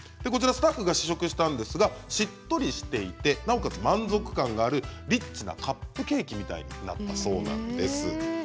スタッフが試食したんですがしっとりしていて、なおかつ満足感があるリッチなカップケーキみたいになったそうです。